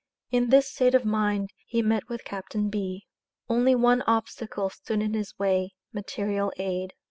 In this state of mind he met with Captain B. Only one obstacle stood in his way material aid.